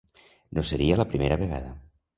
No seria la primera vegada.